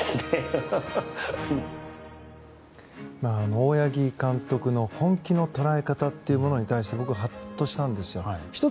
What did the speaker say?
大八木監督の本気の捉え方というものに対して僕、ハッとしたんですよ。